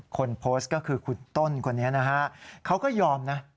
คนโพสต์ก็คือคุณต้นคนนี้นะฮะเขาก็ยอมนะ